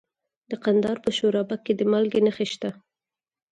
د کندهار په شورابک کې د مالګې نښې شته.